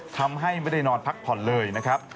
ทำให้ไม่ได้นอนพักผ่อนเลยนะครับ